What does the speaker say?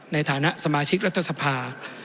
ในฐานะสมาชิกรัฐสภา